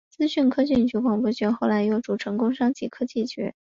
资讯科技及广播局后来又重组成工商及科技局。